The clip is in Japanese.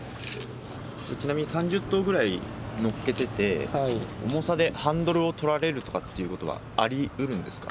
ちなみに３０頭ぐらい乗っけてて、重さでハンドルを取られるとかっていうことはありうるんですか。